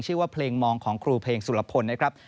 ชื่อว่าเพลงมองของครูเพลงสุรพลนะครับ